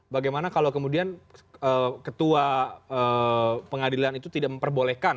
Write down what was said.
bagaimana kalau kemudian ketua pengadilan itu tidak memperbolehkan